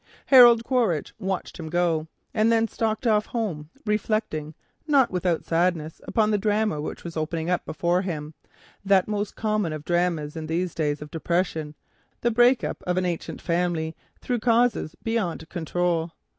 Harold Quaritch watched him go and then stalked off home, reflecting, not without sadness, upon the drama which was opening up before him, that most common of dramas in these days of depression,—the break up of an ancient family through causes beyond control.